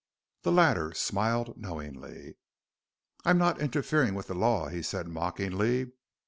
The latter smiled knowingly. "I'm not interfering with the law," he said mockingly.